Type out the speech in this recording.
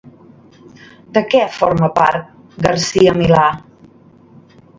De què forma part Garcia-Milà?